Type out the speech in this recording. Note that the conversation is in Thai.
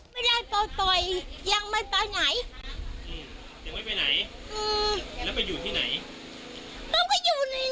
ไม่ได้ต่อยต่อยยังไม่ต่อยไหนอืมยังไม่ไปไหนอืมแล้วไปอยู่ที่ไหน